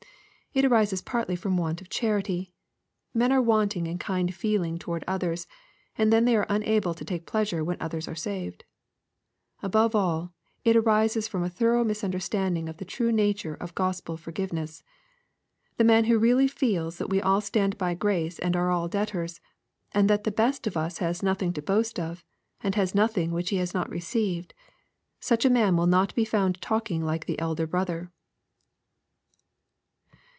— It arises partly from want of charity. Men are wanting in kind feeling towards others, and then they are unable to take pleasure when others are saved. — Above all, it arises from a thorough misunderstanding of the true nature of gospel forgiveness. The man who really feels that we all stand by grace and are all debtors, and that the best of us has nothing to boast of, and has nothing which he has not received, — such a man will not be found talking like the " elder brother."